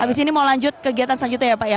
abis ini mau lanjut kegiatan selanjutnya ya pak ya